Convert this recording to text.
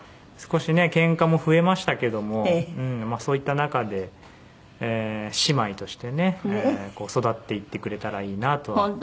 少しねケンカも増えましたけどもそういった中で姉妹としてね育っていってくれたらいいなとは。